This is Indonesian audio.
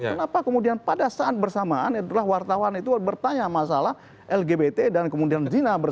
kenapa kemudian pada saat bersamaan adalah wartawan itu bertanya masalah lgbt dan kemudian zina